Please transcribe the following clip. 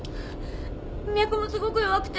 脈もすごく弱くて。